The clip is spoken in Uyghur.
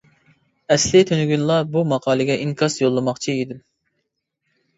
ئەسلى تۈنۈگۈنلا بۇ ماقالىگە ئىنكاس يوللىماقچى ئىدىم.